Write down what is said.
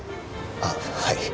あっはい。